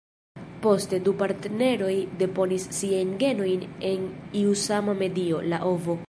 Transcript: Poste, du partneroj deponis siajn genojn en iu sama medio, la ovo.